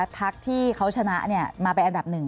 พักที่เขาชนะมาเป็นอันดับ๑